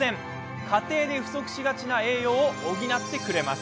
家庭で不足しがちな栄養を補ってくれます。